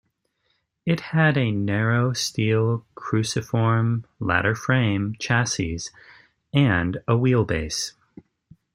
It had a narrow steel cruciform ladder frame chassis, and a wheelbase.